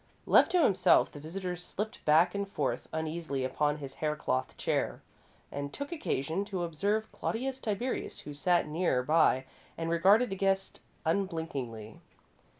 Left to himself, the visitor slipped back and forth uneasily upon his haircloth chair, and took occasion to observe Claudius Tiberius, who sat near by and regarded the guest unblinkingly.